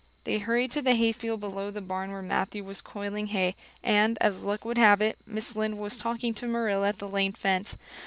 They hurried to the hayfield below the barn where Matthew was coiling hay, and, as luck would have it, Mrs. Lynde was talking to Marilla at the lane fence.